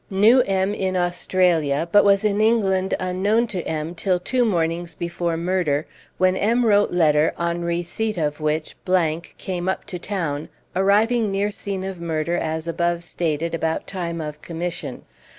Knew M. in Australia, but was in England unknown to M. till two mornings before murder, when M. wrote letter on receipt of which came up to town (arriving near scene of murder as above stated, about time of commission).